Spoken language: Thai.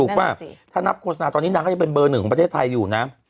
ป่ะถ้านับโฆษณาตอนนี้นางก็ยังเป็นเบอร์หนึ่งของประเทศไทยอยู่นะ